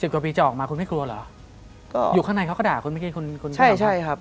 ๑๐กว่าปีจะออกมาคุณไม่กลัวเหรออยู่ข้างในเขาก็ด่าคุณไม่เคยใช่ครับ